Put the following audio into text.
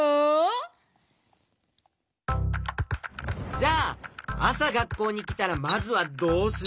じゃああさがっこうにきたらまずはどうする？